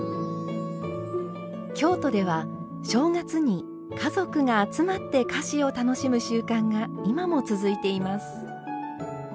京都では正月に家族が集まって菓子を楽しむ習慣が今も続いています。